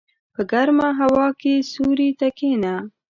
په ګرمه هوا کې سیوري ته کېنه.